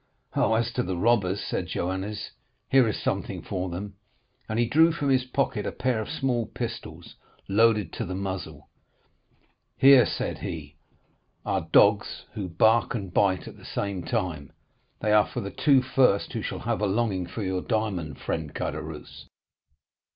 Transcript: "'Oh, as to the robbers,' said Joannes, 'here is something for them,' and he drew from his pocket a pair of small pistols, loaded to the muzzle. 'Here,' said he, 'are dogs who bark and bite at the same time, they are for the two first who shall have a longing for your diamond, Friend Caderousse.